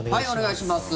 お願いします。